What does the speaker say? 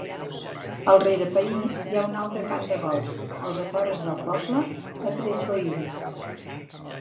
Al rerepaís hi ha un altre camp de golf, als afores del poble, a Trefloyne.